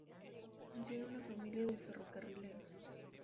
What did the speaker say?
Nació en una familia de ferrocarrileros.